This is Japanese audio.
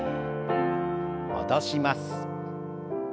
戻します。